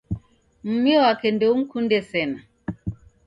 Mumi wake ndeumkunde sena